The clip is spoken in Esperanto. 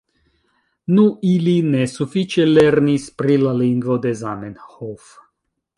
Nu, ili ne sufiĉe lernis pri la lingvo de Zamenhof.